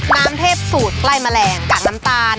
น้ำเทพสูตรใกล้แมลงจากน้ำตาล